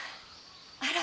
あら！